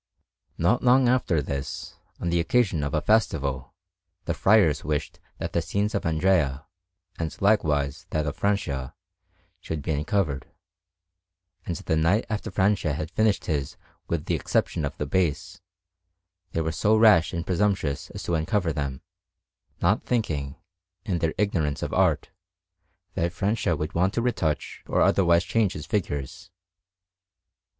Not long after this, on the occasion of a festival, the friars wished that the scenes of Andrea, and likewise that of Francia, should be uncovered; and the night after Francia had finished his with the exception of the base, they were so rash and presumptuous as to uncover them, not thinking, in their ignorance of art, that Francia would want to retouch or otherwise change his figures.